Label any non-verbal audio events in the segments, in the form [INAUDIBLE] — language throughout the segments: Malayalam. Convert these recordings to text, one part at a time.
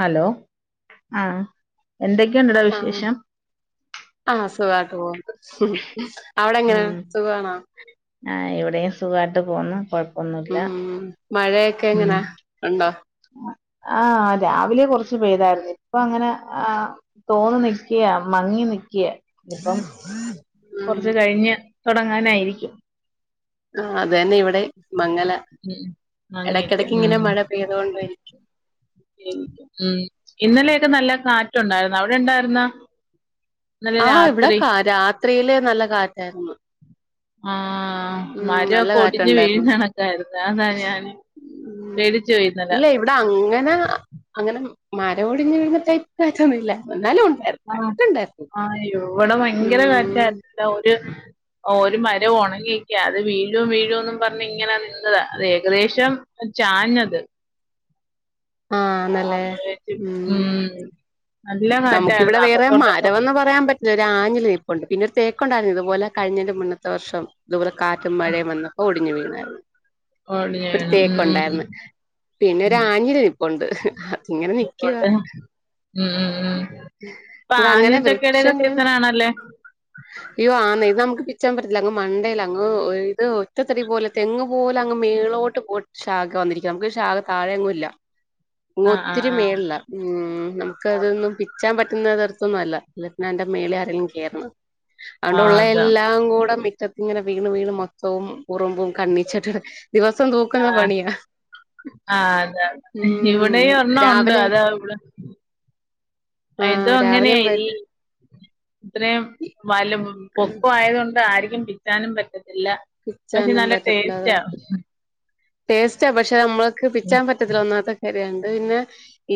ഹലോ ആഹ് എന്തൊക്കെ ഉണ്ടടാ വിശേഷം സ [UNINTELLIGIBLE] വാട്ടോ അവിടെ എങ്ങനെ സുഖാണോ ആ ഇവിടെയും സുഖായിട്ട് പോകുന്നു. കൊഴ ഉം മഴയൊക്കെ എങ്ങനാ, ഉണ്ടോ? ആ രാവിലെ കുറച്ച് പെയ്തായിരുന്നു. ഇപ്പൊ അങ്ങനെ ആ തോന്നുനിക്ക മങ്ങി നി ക്ക്യ, ഇപ്പം ഉം കുറച്ച് കഴിഞ്ഞ് തുടങ്ങാനായിരിക്കും. ആ അതന്നെ ഇവിടെ മങ്ങലാ. ഉം എടക്കിടക്കിങ്ങനെ മഴ പെയ്തൊണ്ട് [INAUDIBLE] മ് ഉം ഇന്നലെയൊക്കെ നല്ല കാറ്റുണ്ടായിരുന്നു. അവിടെ ഉണ്ടായിരുന്നോ? ഇന്നലെ ആഹ്, ഇവിടെ രാത്രി കാ രാത്രിയില് നല്ല കാറ്റായിരുന്നു. ആഹ്, ഉം നല്ല മരൊക്കെ ഒടിഞ്ഞ് കാറ്റുണ്ടായിരുന്നു വീഴുന്നതൊക്കെയായിരുന്നു. അതാ ഞാൻ പേടിച്ചു പോയി ഇന്നലെ ന്ന, അങ്ങനെ മര ഒടിഞ്ഞ് വീഴുന്ന ടൈപ് കാറ്റൊന്നുമില്ല എന്നാലും ഉണ്ടായിരുന്നു ആഹ്, കാറ്റുണ്ടായിരുന്നു ആ യ്യോ ഇവടെ ഭയങ്കര ഉം കറ്റായി [UNINTELLIGIBLE] ഓര് ഓരു മരം ഉണങ്ങിക്ക. അത് വീഴും വീഴുംന്ന് പറഞ്ഞിങ്ങനെ നിന്നതാ, അതെകദേശം ചാഞ്ഞത്. ആന്നല്ലേ [UNINTELLIGIBLE] ഉം ഹ്മ്മ് നമുക്കിവിടെ വേറെ മരമന്നു പറയാൻ പറ്റില്ല. ഒരാഞ്ഞില ഇപ്പുണ്ട്. പിന്നെ തേ കൊണ്ടായിരുന്നു, ഇത്‌പോലെ കഴിഞ്ഞതിന്റെ മുന്നെത്തെ വർഷം ദൂ കാറ്റും മഴയും വന്നപ്പോൾ ഒടിഞ്ഞ് വീണായിരുന്നു. ഓടിഞ്ഞ് ഒര് വീണ് ഉം തേക്കുണ്ടായ്ര്ന്ന്. പിന്നെ ഒരാഞ്ഞിലയും ഉണ്ട് ഹി ഹ ഐക്കോട്ടെ, ഹ്മ്മ് മുക്കങ്ങനെ വൃക്ഷങ്ങൾ, സീസൺ ആണല്ലേ യ്യോ ആന്നേ ഇത് നമുക്ക് ച്ചാൻപറ്റില്ല, അങ്ങ് മണ്ടേലഅങ്ങ് ഒറ്റത്തടി പോലെ തെങ്ങ് പോലങ്ങ് മേളോട്ട് പോ ശാഖ വന്നിരികാ. നമുക്കൊരു ശാഖ താഴെങ്ങുല്ല ആഹ് ആഹ് ഒത്തിരി ആഹ് മേള്ല, ഉം നമുക്കതൊന്ന് ച്ചാംപറ്റുന്ന തരത്തൊന്നും മല്ല. [UNINTELLIGIBLE] മേളെ ആരെങ്കിലും കേറണം. ആഹ് അതാ അതോണ്ട്ഉള്ളെല്ലാകൂടെ റ്റത്തിങ്ങനെ വീണ് വീണ് മൊത്തവും ഉറുമ്പും കണ്ണിച്ചട്ടകൾ ആഹ്, ആഹ് അതാ ഉം ഇവിടെയും ഒരെണ്ണം ഉണ്ട് രാവിലെ അതാ ഇവിടെ ആഹ് ഇതും രാവിലെയും അങ്ങനെയ്നീ പറ്റ ഇത്രേം വല് പൊക്കൊവായത്കൊണ്ടാ [UNINTELLIGIBLE] പറ്റ ഇല്ല പക്ഷെ പിച്ചാനും നല്ല പറ്റത്തില്ല അതാ ടേസ്റ്റാ. ടേസ്റ്റാ പക്ഷെ നമ്മള് ക്ക് പിച്ചാൻ പറ്റത്തില്ല ഒന്നാത്തെ കാര്യ അ പിന്നെ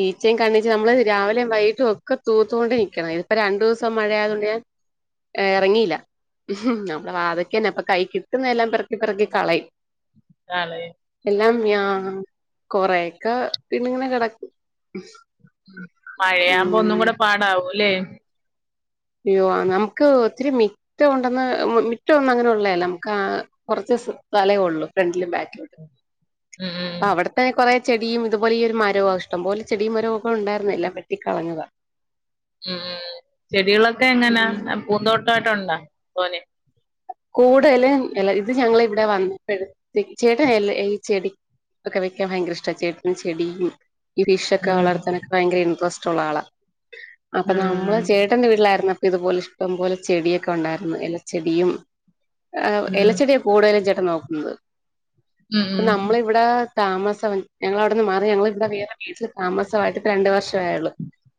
ഈച്ചേം കണ്ണിച്ചേ നമ്മള് രാവിലെയും വൈകിട്ടും ഒക്കെ തൂത്തോണ്ട് നിക്കണം ഇതിപ്പോ രണ്ടു ദിവസം മഴയായതു കൊണ്ട് ഞാൻ എറങ്ങിയില്ല നമ്മളെ വാതുക്കെ തന്നെ അപ്പ കൈ കി കിട്ടുന്ന എല്ലാം പെർക്കി പെർക്കി കളയും. ആല്ലേ. എല്ലാം യാ കൊറേക്കെ പിന്നങ്ങനെ കെടക്കും. മഴയാമ്പോ ഒന്നും കൂടെ പാടാവൂല്ലേ? ഉം അയ്യോ നമുക്ക് ഒത്തിരി മിറ്റവൊണ്ടന്ന് മ് മിറ്റവൊന്നും അങ്ങനെ ഒള്ളയല്ല നമുക്ക് കൊറച്ച് സ്ഥലേ ഒള്ളൂ ഫ്രണ്ടിലും ബാക്കിലോട്ട്. ഉം ആഹ് അവിടെത്തെ കൊറെ ചെടിയും ഇതുപോലെ ഈ ഒരു മരോവാ ഇഷ്ട്ടം പോലെ ചെടിയും മരവൊക്കെ ഒണ്ടായിരുന്നു എല്ലാം വെട്ടിക്കളഞ്ഞതാ. ഉം ഉം ചെടി ടികളൊക്കെ എങ്ങനാ ഉം. പൂന്തോട്ട് ട്ടായിട്ടൊണ്ടോ തോനെ കൂടുതലും എല ഇത് ഞങ്ങളിവിടെ വന്നപ്പഴേ ചേട്ടന് എല ഈ ചെടി ഒക്കെ വെക്കാൻ ഭയങ്കര ഇഷ്ട്ടാ ചേട്ടന് ചെടിയും ഈ ഫിഷൊക്കെ ഉം വളർത്താനൊക്കെ ഭയങ്കര ഇൻട്രസ്റ്റ കൊള്ളാം ള അപ്പൊ ഉം നമ്മള് ചേട്ടന്റെ വീട്ടിലായിര്ന്നപ് ഇതുപോലെ ഇഷ്ട്ടം പോലെ ചെടിയൊക്കെ ഉണ്ടായിരുന്നു എലച്ചെടിയും ഹാ ഉം എലച്ചെടിയാ കൂട്തലും നോക്കുന്നത് ഉം ഉം നമ്മള് ഇവ്ടെ താമസം ഞങ്ങളവിടന്ന് മാ ഞങ്ങളിവ്ടെ വേറേ വീട് താമസമായിട്ട് രണ്ടു വർഷം ആയുള്ളു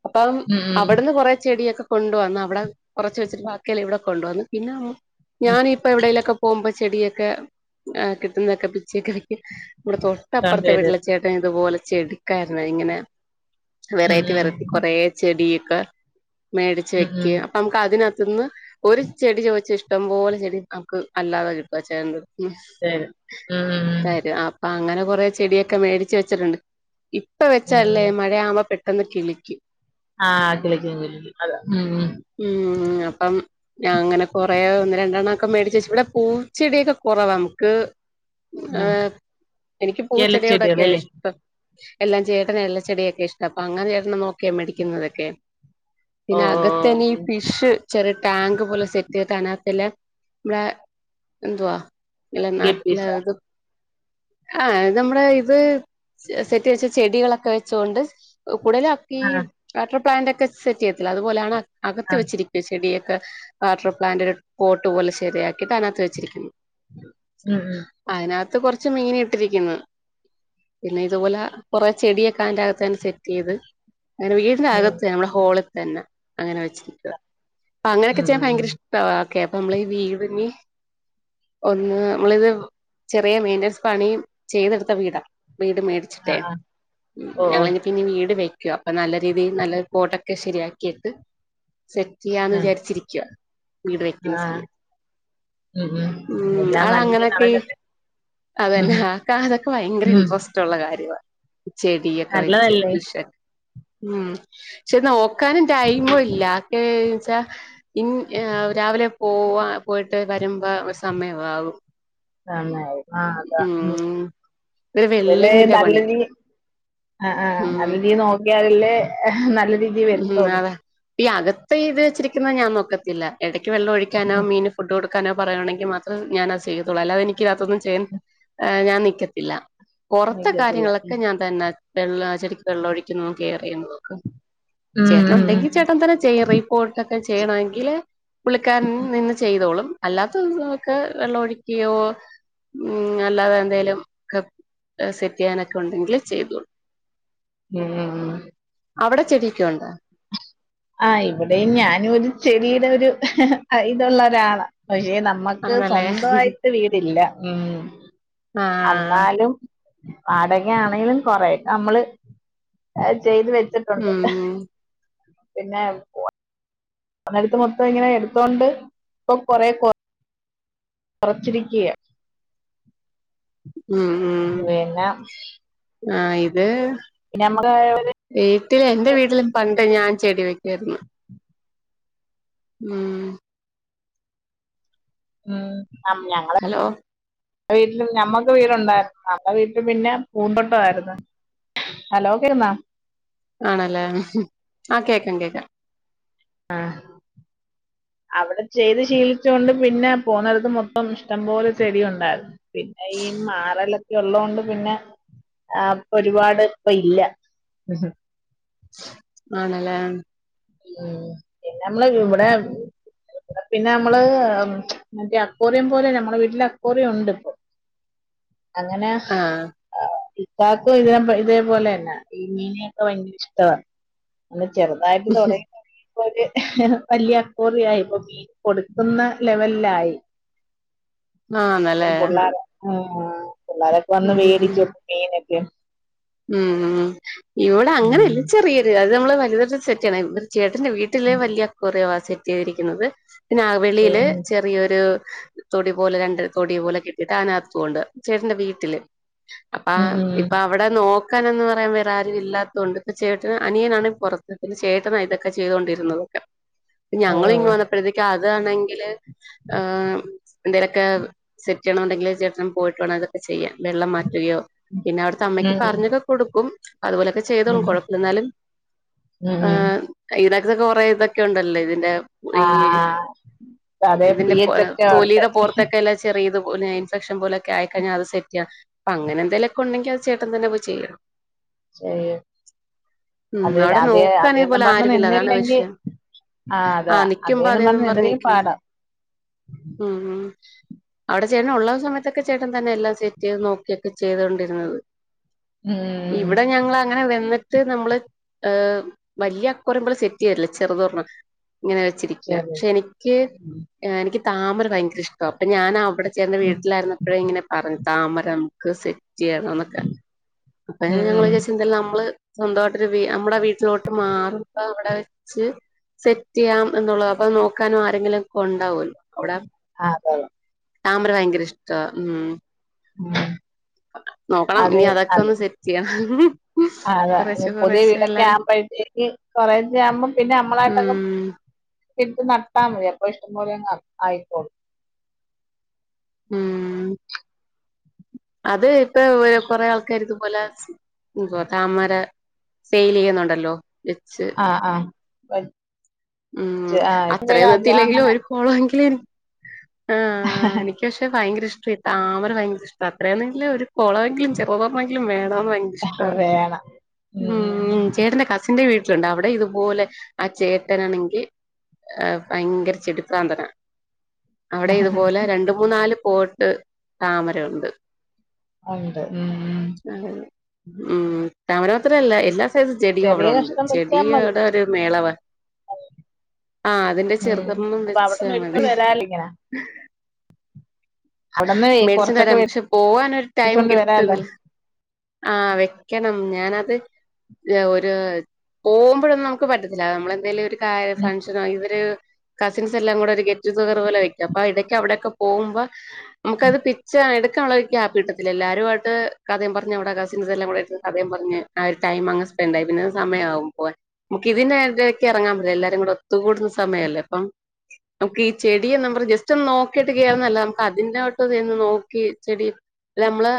അപ്പം ഉം ഉം അവിടുന്ന് കൊറെ ചെടിയൊക്കെ കൊണ്ട് വന്നു അവിടെ കൊറച്ച് വെച്ചിട്ട് ബാക്കിയെല്ലാം ഇവിടെ കൊണ്ട് വന്നു. പിന്നെ ന ഉം ഞാൻ ഇപ്പൊ എവടെയിലൊക്കെ പോമ്പ ചെടിയെക്കെ ഏഹ് കിട്ട്ന്നക്കെ പിച്ചി കഴിക്കി ഇവിടെ സൗണ്ട് തൊട്ടപ്പുറത്തെ ചെയ്ത് വീട്ട്ലെ ചേട്ടൻ ഇതുപോലെ ചെടുക്കാരുന്നു ഇങ്ങനെ ഉം വെറൈറ്റി ഉം വെറൈറ്റി കൊറേ ചെടി ക്കെ മേടിച്ച് ഉം ഉം വയ്ക്ക് അപ്പം നമുക്ക് അതിനക തിന്ന് ഒരു ചെടി ചോയിച്ചേ ഇഷ് ഇഷ്ടംപോലെ ചെടി നമക്ക് അല്ലാതെ കിട്ടും അച്ചായന്റെ ഉം ശരി ഉം ഉം തരും അപ്പങ്ങനെ കുറെ ചെടിയൊക്കെ മേടിച്ച് വെച്ചിട്ടുണ്ട് ഇ പ്പവെച്ചഅല്ലേ മഴ ആവുംമ്പ പെ ട്ടെന്ന് കിളിക്കി ആഹ് കിളിക്കും കിളിക്കും അതെ ഉം. ഉം അപ്പം ഞാങ്ങനെ കൊ കുറേ ഒന്ന് രണ്ടെണ്ണം ഒക്കെ മേടിച്ച് വെച്ച് ഇവടെ പൂച്ചെടിയൊക്കെ കൊറവ നമുക്ക് ഉം ഏഹ് എനിക്ക് പൂ ചെട്യോടെക്കെയാ ഇലച്ചെടികളല്ലേ ഇഷ്ടം എല്ലാം ചേട്ടനാ എല്ലാചെടിയൊക്കെ ഇഷ്ടം. അപ്പൊ അങ്ങനെയിരുന്നു നോക്കിയാ മേടിക്കുന്നതൊക്കെ. ഓ പിന്നെ ഓ അകത്തെനീ ഓ ഫിഷ് ചെറിയ ടാങ്ക് പോലെ സെ കുട്ടികൾ അനാസ്ത്തല്ല നമ്മടെ എന്തുവാ ഇല്ല ഗപ്പീസോ നാട്ടിലേതു ആഹ് നമ്മ്ടെ ഇത് സെറ്റ് വെച്ച ചെടികളൊക്കെ വെച്ചോണ്ട് ഉടലക്കീ ആഹ് അ ട്രി പ്ലാന്റൊക്കെ സെറ്റ് ചെയ്യല്ല അതുപോലെയാണ് അകത്ത് ആഹ് വെിരിക്കയ ചെടിയെ ആ പ്ലാന്റ് ഒരു ഫ പോട്ട് പോലെ ശരിയാക്കിട്ട് അതിനകത്ത് വെച്ചിരിക്കുന്നു ഉം ഉ അത്ത് കുറച്ച് മീൻ ഇട്ടിരിക്കുന്നു പിന്നെ ഇതുപോലെ കൊറ ചെടൊക്കെ അതിന്റെ അകത്താണ് സെറ്റ് ചെയ്ത് അങ്ങനെ വീടിന്റെ ഉം അകത്ത് നമ്മെ ഹോള തന്നെ അങ്ങനെ വെച്ചിരിക്കുവ അങ്ങനൊക്കെ ഉം ഉം ചെയാ ഉം ഭയങ്ക ഉം ഇം ഓക്കെ അപ്പ നമ്മളീഈ വീടി ഒന്ന് നമ്മളിത് ചെറിയ മെയിന്റനൻസ് പണിയും ചെയ്തെടുത്ത വീടാ വീട് ആഹ് മേടിച്ചിട്ടേയ് ആഹ് ഓ ഓ ഞങ്ങള് ഇനി പിന്നെ വീട് വെക് ക്ക് അപ്പ നല്ല രീതിയിൽ നല്ല പോട്ടൊക്കെ ശരിയാക് ക്കിയിട്ട് സെറ്റ് ചെയ്യാന്ന് ആഹ് വിചാരിച്ചിരിക്കുവാ. വീട് വെക്കുന്ന ആഹ് സ്ഥലം ഉം എല്ലാം നല്ലോം ആളങ്ങനൊക്കെ നടക്കട്ടെ അത് ഉം തന്നെ ആക്കാതൊക്കെ ഭയങ്കര ഉം ഇൻട്രസ്റ്റുള്ളകാ [UNINTELLIGIBLE] ചെടിയൊക്കെവെച്ച് നല്ലതല്ലേ ബുഷ് ഉം ച്ചെനോക്കാനും ടൈമുല്ല ആക്ക് ച്ചാ ഇൻ അഹ് രാവിലെ പോവും ആ പോയിട്ട് വരുമ്പോ സമയവാവും ആന്നേ അഹ് അതാ മ് ഒരു വെൽഡിങ്ങിന്റെ പണി [UNINTELLIGIBLE] ആ ആ ഉം നല്ലരീ നോക്കിയാൽ ല്ല് [UNINTELLIGIBLE] ഉം അതെ ഈ അകത്തെ ഇത് വെച്ചിരിക്കുന്നെ ഞാൻ നോക്ക ത്തില്ല ഇടയ്ക്ക് വെള്ള ഒഴിക്കാനോ മീന് ഫുഡ് കൊടു- ക്കാനോ പറയുകയാണെങ്കിമാത്രേ ഞാൻ അത് ചെയ്യത്തൊള്ളൂ അല്ലാതെ എനിക്കിതിനകത്തൊന്നും ചെയ്യാൻ ഏഹ് ഞാൻ നിക്കത്തില്ല പുറത്തെ നിക്കത്തില്ല കാര്യങ്ങളൊക്കെ ഞാൻ തന്നാ - വെള്ള ചെടിക്ക് വെള്ളൊഴിക്കുന്നും കെയറെയ്യുന്നതും ഒക്കെ ഉം ഉം ഉം ചേട്ടനുണ്ടെങ്കി ചേട്ടൻ തന്നെ ചെയ്യും റീപ്പോട്ടൊക്കെ ചെയ്യണമെങ്കില് പുള്ളിക്കാരൻ നിന്ന് ചെയ്തോളും അല്ല ത്തതൊക്കെ വെള്ളം ഒഴിക്കയോ ഉം അല്ലാതെ എന്തേലും ക്കെ സെറ്റ് ചെയ്യാനൊക്കെ ഉണ്ടെങ്കിൽ ചെയ്തോളും മ്മ് മ് ഹ്മ് അവടെ ചെടിയൊക്കെയുണ്ടോ ആ ഇവിടെയും ഞാനും ഒരു ചെടിടെ ഒരു ഹ ഹ ഇതൊള്ള ഒരാളാ പക്ഷെ നമ്മുക്ക് ആണല്ലേ സ്വന്ത വായിട്ട് വീടില്ല മ്മ് ആഹ് അന്നാലും വാടക ആണേലും കൊറേ യൊക്കെ നമ്മള് ചെയ്തുവെച്ചിട്ടുണ്ട് അഹ് ഉം പിന്നെ [UNINTELLIGIBLE] മൊത്തം ഇങ്ങനെ എടുത്തോണ്ട് ഇപ്പൊ കൊറെ കൊ- റച്ചിരിക്കിയാ ഉം പിന്നെ ആ ഇത് പിന്നെ നമ്മക്ക് ഒരു വീട്ടിൽ എന്റെ വീട്ടിലും പണ്ട് ഞാൻ ചെടി വെക്കു ആയിരുന്നു ഉം ഉം ആ ഞങ്ങൾ ഹലോ വീട്ടില് ഞമ്മക്ക് വീടുണ്ടായിരുന്നു നമ്മുടെ വീട്ടിൽ പിന്നെ പൂന്തോട്ട ആയിരുന്നു ഹലോ കേക്കുന്ന ആണല്ലേ ആ കേക്കാം കേക്കാം ആഹ് അവിടെ ചെയ്ത് ശീലിച്ചൊണ്ട് പിന്നെ പോന്നടത്ത് മൊത്തം ഇഷ്ടംപോലെ ചെടി ഉണ്ടായിരുന്നു പിന്നെ ഈ മാറല ഉള്ളത് കൊണ്ട് പിന്നെ ആപ്പ് ഒരുപാട് ഇപ്പൊ ഇല്ല ആണല്ലേ ഉം പിന്നെ നമ്മള് ഇവിടെ പിന്നെ നമ്മള് മറ്റേ അക്കോറിയം പോലെ നമ്മടെ വീട്ടില അക്കോറിയം ഉണ്ട് ഇപ്പൊ അങ്ങനെ ആഹ് കാക്കു ഇതെ ഇതേപോലെ യെന്നാ ഈ മീനിനെയൊക്കെ ഭയങ്കര ഇഷ്ടവാ [UNINTELLIGIBLE] തൊട ഒര് വല്ലിയ അക്കോറിയായി ഇപ്പം മീൻ കൊട്ക്കുന്ന ലെവലായി ആഹ് നല്ല പിള്ളേരൊക്കെ വന്ന് മേടിക്കും മീന് ഉം ഇവിടെ ഉം അങ്ങനല്ല ചെറിയൊരു ഇത് നമ്മള് [UNINTELLIGIBLE] ചേട്ടന്റെ വീട്ടില് വലിയ അക്വാറിയമാ സെറ്റ് ചെയ്തിരിക്കുന്നത് പിന്നെ ആ പക്ഷേ വെളിയില് ചെറിയൊരു തൊടി പോലെ രണ്ട് തൊടി പോലെ കെട്ടിയിട്ട് അതിനകത്ത് കൊണ്ട് ചേട്ടന്റെ വീട്ടില് അപ്പ ഉം ഇപ്പ അവിടെ നോക്കാനന്ന് പറയാൻ വേറെ ആരും ഇല്ലാത്തൊണ്ട് ഇപ്പം ചേട്ട- അനിയനാണ് പുറത്ത് ഇതി ചേട്ടന ഇതൊക്കെ ചെയ്തൊണ്ടിരുന്നതൊക്കെ ഓ ഞങ്ങള് ഓ ഇങ്ങു വന്നപ്പോഴത്തേക്ക് അതാണെങ്ക എന്തേലൊക്കെ സെറ്റ് ചെയ്യണ ഉണ്ടെങ്കിൽ ചേട്ടൻ പോയിട്ട് വേണം അതൊക്കെ ചെയ്യാൻ വെള്ളം മാറ്റുകയോ പിന്നെ അവിടുത്തെ അമ്മയ്ക്ക് ഉം പറഞ്ഞൊതൊക്കെ കൊടുക്കും അതുപോലൊക്കെ ചെയ്തോളൂ ഉം കുഴപ്പഎന്നാലും ഉം ഉം ഇത അത് കൊറേ ഇതൊക്കെ ഉണ്ടല്ലോ ഇതിന്റെ ഈ ആഹ് അതെ പി ഇതിന്റെ പൊ എച്ച് ഒക്കെ ഉണ്ട് തൊലിയുടെ പോറത്തൊക്കെ എല്ലാം [UNINTELLIGIBLE] ഇൻഫെക്ഷൻ പോലൊക്കെ ആയിക്കഴിഞ്ഞാ അത് സെറ്റെയ്യ അങ്ങനെന്തേലൊക്കെ ഉണ്ടെങ്കിൽ അത് പ്പം തന്നെ പോയി ചെയ്യണം ശരി ഉം അതെല്ലേ അവിടെ അതെ നോക്കാൻ അതെന്നും ഇതുപോലെ പറഞ്ഞ് ആരുമില്ല അതാണ് നിന്നില്ലെങ്കിൽ വിഷയം ആ അതാ ആഹ് നിക്കുമ്പോ അതേന്നും പറഞ്ഞ് നിന്നില്ലെങ്കിൽ പറഞ്ഞിരിക്കണം പാടാ ഉം ഉം അവിടെ ചേട്ടൻ ഉള്ള സമയത്തൊക്കെ ചേട്ടൻ തന്നെ എല്ലാം സെറ്റ് ചെയ്ത് നോക്കിയൊക്കെ ചെയ്തോണ്ടിരുന്നത് ഉം ഇവിടെ ഞങ്ങള് അങ്ങനെ വന്നിട്ട് ട്ട് നമ്മള് ഹ് വല്യ അക്വാറിയം പോലെ സെറ്റ് ചെയ്യല്ല ചെറുതൊരണ്ണം ഇങ്ങനെ വെച്ചിരിക്കുക ശരി പക്ഷെ എനിക്ക് ഉം എനിക്ക് താമര ഭയങ്കര ഇഷ്ടമാണ് അപ്പൊ ഞാനവിടെ താ ചേട്ടൻന്റെ വീട്ടിലായിരുന്നപ്പോഴേ ഇങ്ങനെ പറഞ്ഞു താമര നമ്ക്ക് സെ ചെയ്യണന്നൊക്കെ അപ്പൊ ഉം ഞങ്ങൾ ഉം വിചാരിച്ചു തെല്ലാം നമ്മള് സ്വന്തമായിട്ടരു നമ്മടെ വീട്ടിലോട്ട് മാറുമ്പ അവിടെ വെച്ച് സെറ്റ് ചെയ്യാം എന്നുള്ളത് അപ്പത് നോക്കാനും ആരെങ്കിലും ഒക്കെ ഉണ്ടാവുമല്ലോ അവിടെ ആഹ് [UNINTELLIGIBLE] താമര ഭയങ്കര ഇഷ്ടാ ഉ ഉം നോക്കണം ഇനി അതൊക്കെ ഒന്ന് സെറ്റ് ചെയ്യണം മ്മ്ഹ് ആ തേ പുതിയ വീടൊക്കെ ആവുമ്പോഴത്തേക്ക് കൊറെേശ്ശെ ആവുമ്പോ പിന്നെ നമ്മളായിട്ടങ്ങ് ഉം ഇട്ട് നട്ടാൽ മതി അപ്പൊ ഇഷ്ടംപോലെ ആയിക്കോളും ഉം അത് പ്പോ ഇവെ കുറെ ആൾക്കാർക്കും തുപോലെ ന്തുവ താമര സെയിൽ ചെയ്യുന്നുണ്ടല്ലോ വെച്ച് ആഹ് ആഹ് വ ഉം അത്രയും അത് നിത്തിയില്ലെങ്കിലും അങ്ങനെ ഒരു പോളെങ്കിലും ആ എനിക്ക് പക്ഷെ ഭയങ്കര ഇഷ് ടാ താമര ഭയങ്കര ഇഷ്ടാ അത്രയണെങ്കിലേ ഒരു കൊളമെങ്കിലും ചെറുതൊരണ്ണമെങ്കിലും വേണന്ന് ഭയങ്കര ഇഷ്ടാ വേണം ഉം ചേട്ടന്റെ കസിന്റെ വീട്ട ണ്ടു അവിടെ ഇതുപോലെ ആ ചേ ട്ടനാണെങ്കിൽ ഭയങ്കര ചെടിപ്രാന്തനാ അവിടെ ഇതുപോലെ രണ്ട മൂന്ന നാല പോട്ട് താമരുണ്ട് ഉണ്ട് ഉം ഉം താമരത്രല്ല എല്ലാ അതത് ചെടിയും അവിടെ ചെറിയ ഉണ്ട് കഷ്ണം വെച്ചാ മതി ചെടിയടെ ഒരു മേളവ ആഹ അതിന്റെ ഉം ചെറുതന്ന അപ്പൊ അവിടെ വെച്ചാ മതി മേടിച്ചോണ്ട് വരാല്ലോ ഇങ്ങനെ അവിടന്ന് മേടിച്ച കൊറച്ചൊക്കെ വരാം പക്ഷെ പോവാൻ ഒരു ടൈം മേടിച്ചോണ്ട് വരാല്ലോ കിട്ടുന്നില്ല ആഹ വെക്കണം ഞാനത് ഒരു പോകുമ്പോഴൊന്നും നമുക്ക് പറ്റത്തില്ല നമ്മളെന്തെലും കാര്യ ഫംഗ്ഷൻ ഇവരെ കസിൻസ് എല്ലാം കൂടെ ഒരു ഗെറ്റതർ പോലെ വയ്ക്കും അപ്പൊ ഇടക്കക്ക് അവിടെയൊക്കെ പോകുമ്പോ ഉം നമുക്കത് പിച്ച എ [INAUDIBLE] ആപ്പിട്ടത്തില്ല എല്ലരുുംമായിട്ട് കഥം പറഞ്ഞവിടെ കസിൻസ്ല്ലാം ക് കഥയുംം പറഞ് ആ ഒരു ടൈം അങ് സ്പെൻറ് ആയി പിന്നെ സമയമാവും പോവാ നമു ഇതിന്റെൊക്കെ ഇറങ്ങാ അ എല്ലാരും കൂടെ ഒത്തുകൂടുന്ന സമയല്ലേ അപ്പ നമുക്ക് ഈ ചെടിയ നമ്മ ജസ്റ്റ് ഒ നോ ട്ടുകായിുന്നല്ല നമക്ക് അതിന്റെ എന്ന് നോക്കി ചെടി നമ്മള്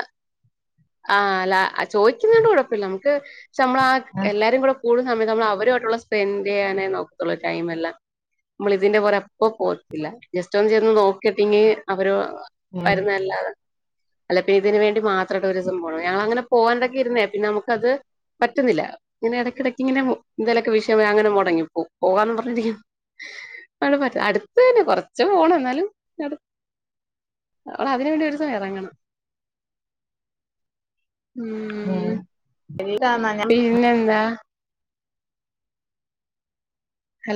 ആല്ല ചോദിക്കുന്നുണ്ട കുഴപ്പില്ല നമുക്ക് നമ്മള ആ എല്ലാരും കൂ കൂടുന്ന സമയ നമ്മ അവരുമായിട്ടുള്ള സ്പെൻറ് ചെയ്യാനേ നോ ടൈമല്ല നമ്മള ഇതിന്റെ പോറ അപ്പോ പോത്തില്ല ജസ്റ്റ് ഒന്ന ചേന്ന് നോക്കിട്ടെങ്കി അവര് ഉം വരുന്നല്ല അല്ല പിന്നെ ഇതിനന് വേണ്ടി മാത്രം ഒരു ദിവസം പോണം ഞങ്ങ അങ്ങനെ പോകാാനടക്കെ ഇരുന്നേ പിന്നെ നമുക്ക് അത് പറ്റുന്നില്ല ഇങ്ങനെ ഇടയ്ക്കിടക്ക് ഇങ്ങനെ എന്തെലൊക്കെ വിഷയം അങ്ങനെ മുടങ്ങിപ്പോ പോകന്ന് പറഞ്ഞിരിക്ക അവിടെ പറ്റ അടുത്ത തന്നെ കൊറച്ച പോണം എന്നാലും അതിന വേണ്ടി ഒരു സമയം ഇറങ്ങണം ഉം [INAUDIBLE] പിന്നെന്താ ഹലോ